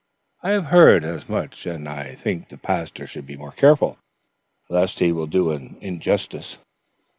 "I have heard as much, and I think the pastor should be more careful, lest he will do an injustice."